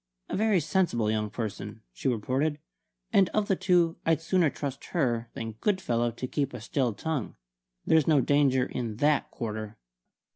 "A very sensible young person," she reported; "and of the two I'd sooner trust her than Goodfellow to keep a still tongue. There's no danger in that quarter!"